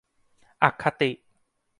อคติ !